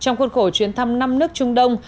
trong khuôn khổ chuyến thăm năm nước trung đông